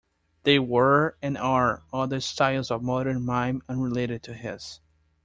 There were and are other styles of modern mime unrelated to his.